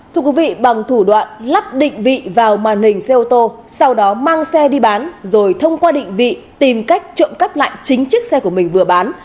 thưa quý vị bằng thủ đoạn lắp định vị vào màn hình xe ô tô sau đó mang xe đi bán rồi thông qua định vị tìm cách trộm cắp lại chính chiếc xe của mình vừa bán